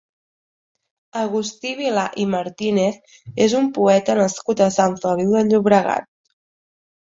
Agustí Vilar i Martínez és un poeta nascut a Sant Feliu de Llobregat.